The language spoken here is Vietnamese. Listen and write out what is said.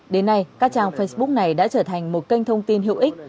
đến nay các trang facebook này đã trở thành một kênh thông tin hữu ích